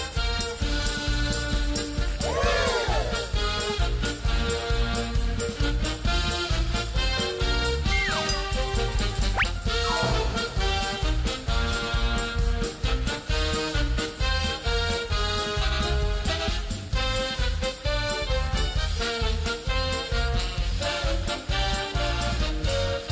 จริง